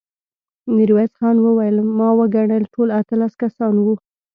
ميرويس خان وويل: ما وګڼل، ټول اتلس کسان وو.